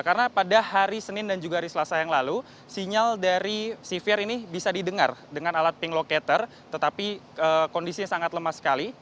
karena pada hari senin dan juga hari selasa yang lalu sinyal dari sivir ini bisa didengar dengan alat pink locator tetapi kondisi sangat lemah sekali